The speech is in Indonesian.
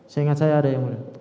saya ingat saya ada yang boleh